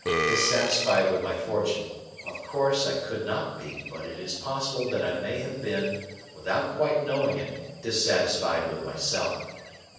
Dissatisfied with my fortune, of course I could not be; but it is possible that I may have been, without quite knowing it, dissatisfied with myself.